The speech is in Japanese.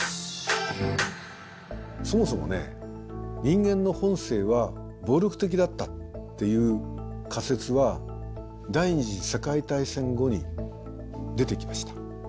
そもそもね人間の本性は暴力的だったっていう仮説は第２次世界大戦後に出てきました。